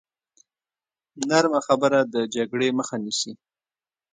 نرمه خبره د جګړې مخه نیسي.